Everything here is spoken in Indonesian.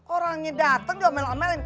orangnya dateng dia omel omelin